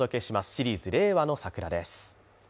シリーズ「令和のサクラ」です。